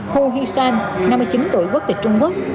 hu huy san năm mươi chín tuổi quốc tịch trung quốc